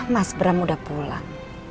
mas bram udah pulang